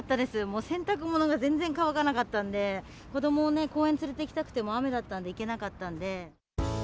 もう、洗濯物が全然乾かなかったんで、子どもを公園に連れていきたくても雨だったんで行けなかったんで。